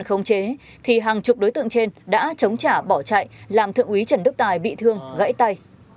khống chế thì hàng chục đối tượng trên đã chống trả bỏ chạy làm thượng úy trần đức tài bị thương gãy tay